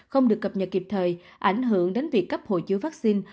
không được cập nhật kịp thời ảnh hưởng đến việc cấp hồi chứa vaccine